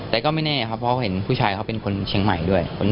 แต่ก็ไม่แน่ครับเพราะเขาเห็นผู้ชายเขาเป็นคนเชียงใหม่ด้วย